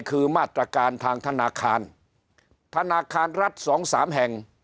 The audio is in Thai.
คือมาตรการทางธนาคารธนาคารรัฐสองสามแห่ง